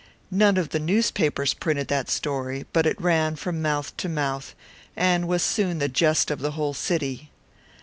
None of the newspapers printed that story, but it ran from mouth to mouth, and was soon the jest of the whole city.